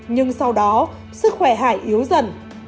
nhưng sau đó sức khỏe hải yếu dần